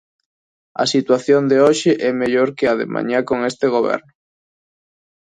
A situación de hoxe é mellor que a de mañá con este goberno.